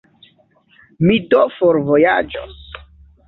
Mi do forvojaĝos.